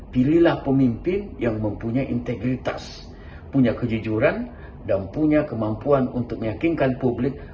pilihlah pemimpin yang mempunyai integritas punya kejujuran dan punya kemampuan untuk meyakinkan publik